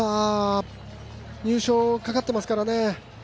入賞かかってますからね。